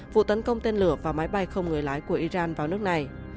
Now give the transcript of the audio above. vụ tấn công tên lửa và máy bay không người lái của iran vào nước này